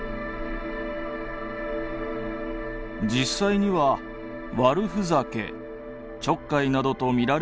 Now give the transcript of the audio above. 実際には「悪ふざけ」「ちょっかい」などとみられる行為であった。